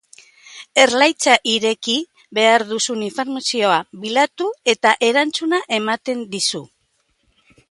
Erlaitza ireki, behar duzun informazioa bilatu eta erantzuna ematen dizu.